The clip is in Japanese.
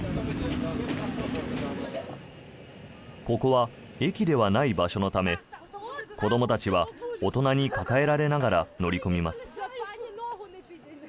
ここは駅ではない場所のため子どもたちは大人に抱えられながら乗り込みます。